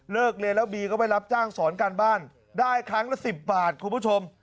เรียนแล้วบีก็ไปรับจ้างสอนการบ้านได้ครั้งละ๑๐บาทคุณผู้ชม